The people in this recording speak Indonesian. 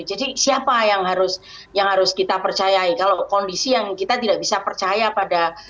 jadi siapa yang harus kita percayai kalau kondisi yang kita tidak bisa percaya pada